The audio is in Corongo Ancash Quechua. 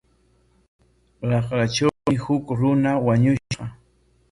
Raqratrawmi huk runa wañushqa.